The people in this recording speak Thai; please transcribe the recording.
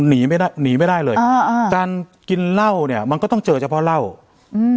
หนีไม่ได้หนีไม่ได้เลยอ่าอ่าการกินเหล้าเนี้ยมันก็ต้องเจอเฉพาะเหล้าอืม